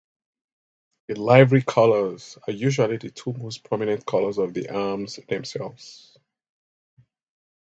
The livery colours are usually the two most prominent colours of the arms themselves.